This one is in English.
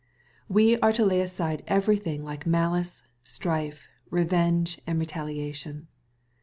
We are to lay aside everything like malice, strife, revenge, and retaliation.